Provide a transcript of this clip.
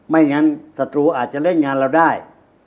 ไม่งั้นศัตรูอาจจะเล่นงานเราได้